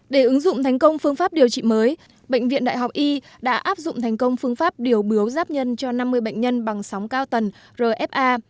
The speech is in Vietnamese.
để ứng dụng thành công phương pháp điều trị mới bệnh viện đại học y đã áp dụng thành công phương pháp điều bưu giáp nhân cho năm mươi bệnh nhân bằng sóng cao tần rfa